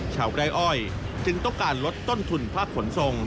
ชาวใกล้อ้อยถึงต้องการลดต้นทุนภาคขนทรง